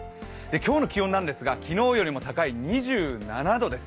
今日の気温なんですが、昨日よりも高い２７度です。